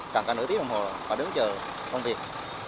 càng cả nửa tiếng đồng hồ và đứng chờ công việc